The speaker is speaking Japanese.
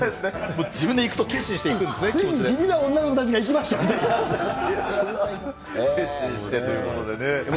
自分で行くと決心していくん地味な女の子たちが行きまし決心ではということでね。